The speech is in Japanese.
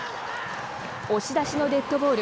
押し出しのデッドボール。